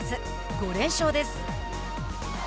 ５連勝です。